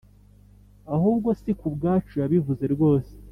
Ahubwo si ku bwacu yabivuze rwose